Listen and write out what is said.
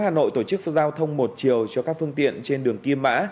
tp hcm tổ chức giao thông một chiều cho các phương tiện trên đường kim mã